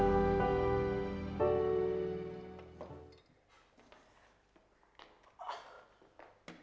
dia lebih pake cincin